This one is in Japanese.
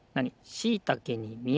「しいたけにみえない」。